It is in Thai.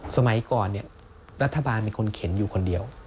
สมัยก่อนรัฐบาลเป็นคนเข็นอยู่คนเดียว